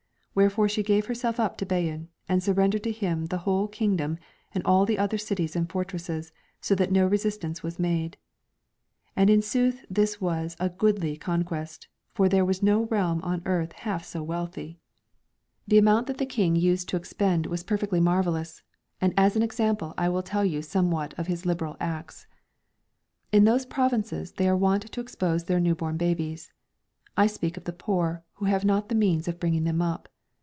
Wherefore she gave herself up to Bayan, and surrendered to him the whole kingdom and all the other cities and fortresses, so that no resistance was made. \nd in sooth this was a goodly con quest, for there was no realm on earth half so wealthy.'' Chap. LXV. CONQUEST OF MANZI. IO9 The amount that the King used to expend was perfectly marvellous ; and as an example I will tell you somewhat of his liberal acts. In those provinces they are wont to expose their new born babes ; I speak of the poor, who have not the means of bringing them up.